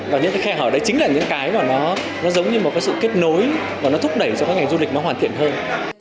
và những cái khe hở đấy chính là những cái mà nó giống như một cái sự kết nối và nó thúc đẩy cho các ngành du lịch nó hoàn thiện hơn